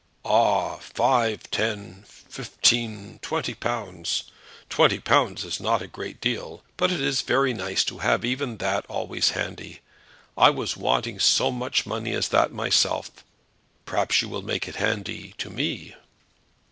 "Ah! five, ten, fifteen, twenty pounds. Twenty pounds is not a great deal, but it is very nice to have even that always handy. I was wanting so much money as that myself; perhaps you will make it handy to me."